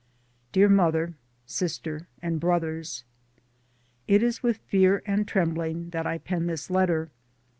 Dear Mother, Sister and Brothers: It is with fear and trembling that I pen this letter.